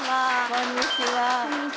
こんにちは。